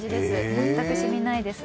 全くしみないです。